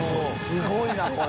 すごいなこれ。